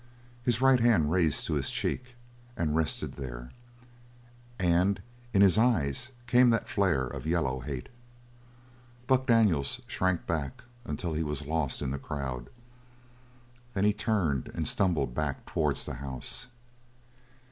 His right hand raised to his cheek, and rested there, and in his eyes came that flare of yellow hate. Buck Daniels shrank back until he was lost in the crowd. Then he turned and stumbled back towards the house.